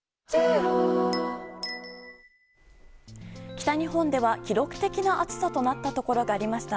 北日本では、記録的な暑さとなったところがありました。